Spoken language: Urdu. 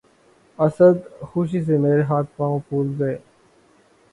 اسد! خوشی سے مرے ہاتھ پاؤں پُھول گئے